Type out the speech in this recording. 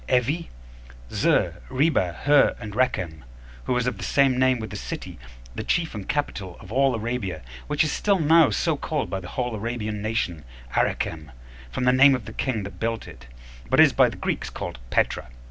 Evi, Zur, Reba, Hur, and Rekem, who was of the same name with a city, the chief and capital of all Arabia, which is still now so called by the whole Arabian nation, Arecem, from the name of the king that built it; but is by the Greeks calledPetra.